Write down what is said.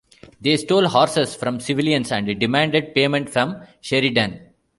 They stole horses from civilians and demanded payment from Sheridan.